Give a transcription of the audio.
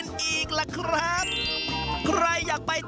โรงโต้งคืออะไร